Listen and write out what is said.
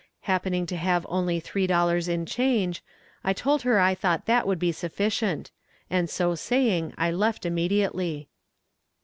Happening to have only three dollars in change, I told her I thought that would be sufficient; and so saying, I left immediately.